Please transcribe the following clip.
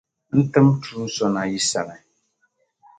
N tim Tuun’ so na yi sani.